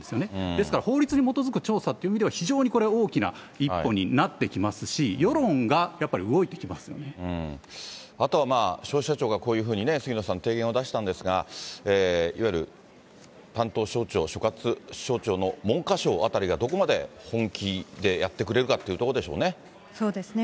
ですから、法律に基づく調査っていう意味では、非常にこれは大きな一歩になってきますし、世論があとは消費者庁がこういうふうに杉野さん、提言を出したんですが、いわゆる担当省庁、所轄省庁の文科省あたりがどこまで本気でやってくれるかというところでそうですね。